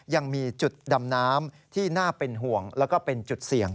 ยังมีจุดดำน้ำที่น่าเป็นห่วงแล้วก็เป็นจุดเสี่ยง